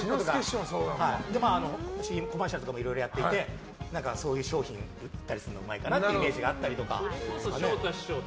コマーシャルとかもいろいろやっててそういう商品を売ったりするのもうまいイメージがあるかなと。